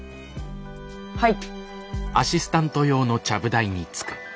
はい。